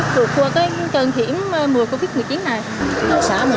của cái trần thiểm mùa covid một mươi chín này